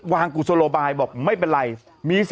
มันก็จับไม่ได้มันก็จับไม่ได้